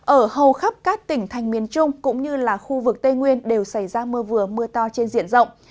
ở hầu khắp các tỉnh thành miền trung cũng như là khu vực tây nguyên đều xảy ra mưa vừa mưa to trên diện rộng